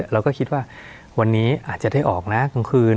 เราก็คิดว่าวันนี้อาจจะได้ออกนะกลางคืน